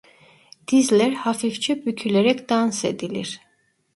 Dizler hafifçe bükülerek dans edilir.